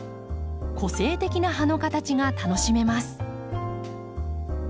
個性的な葉の形が楽しめます。